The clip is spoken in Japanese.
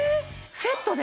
セットで？